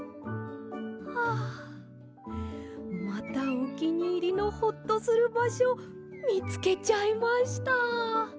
はあまたおきにいりのホッとするばしょみつけちゃいました！